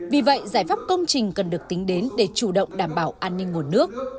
vì vậy giải pháp công trình cần được tính đến để chủ động đảm bảo an ninh nguồn nước